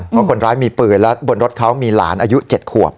เพราะคนร้ายมีปืนและบนรถเขามีหลานอายุ๗ขวบ